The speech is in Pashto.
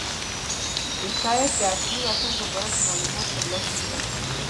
د سید د اصلي وطن په باره کې معلومات ترلاسه کړم.